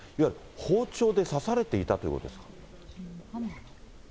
包丁で刺されていたということですか？